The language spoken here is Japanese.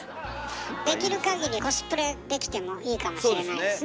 できるかぎりコスプレできてもいいかもしれないですね。